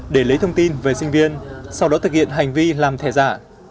để lấy thông tin về sinh viên sau đó thực hiện hành vi làm thẻ giả